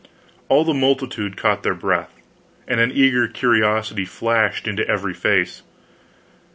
All the multitude caught their breath, and an eager curiosity flashed into every face.